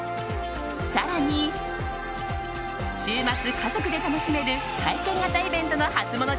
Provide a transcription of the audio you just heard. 更に、週末家族で楽しめる体験型イベントのハツモノ